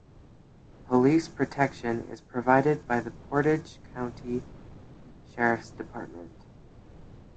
Police protection is provided by the Portage County Sheriff's Department.